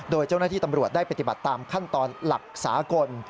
โดยเจ้าหน้าที่ตำรวจได้ปฏิบัติตามขั้นตอนหลักสากล